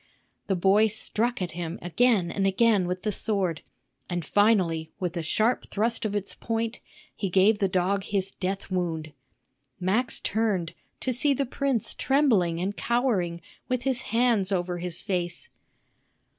The boy struck at him again and again with the sword, and finally with a sharp thrust of its point he gave the dog his death wound. Max turned, to see the prince trembling and cowering, with his hands over his face.